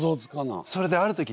それである時ね